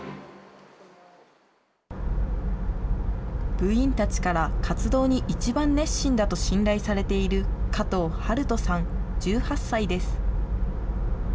部員たちから活動に一番熱心だと信頼されている、加藤暖大さん１８歳です。